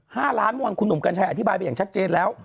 ๕ล้านเมื่อวานคุณหนุ่มกัญชัยอธิบายไปอย่างชัดเจนแล้ว